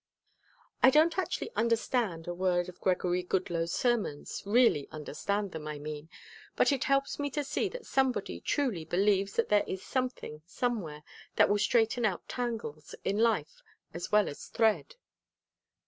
"I don't actually understand a word of Gregory Goodloe's sermons, really understand them, I mean, but it helps me to see that somebody truly believes that there is something somewhere that will straighten out tangles in life as well as thread."